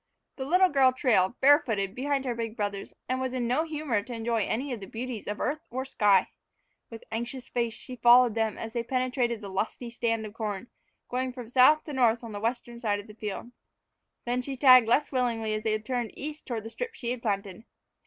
The little girl trailed, barefooted, behind her big brothers, and was in no humor to enjoy any of the beauties of earth or sky. With anxious face she followed them as they penetrated the lusty stand of corn, going from south to north on the western side of the field. Then she tagged less willingly as they turned east toward the strip she had planted.